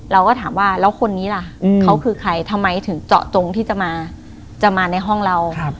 เราก็ถามว่าแล้วคนนี้ล่ะเขาคือใครทำไมถึงเจาะจงที่จะมาในห้องเรา